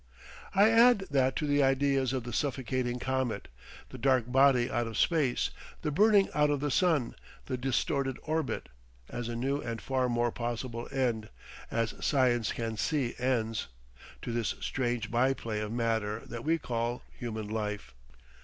I add that to the ideas of the suffocating comet, the dark body out of space, the burning out of the sun, the distorted orbit, as a new and far more possible end—as Science can see ends—to this strange by play of matter that we call human life.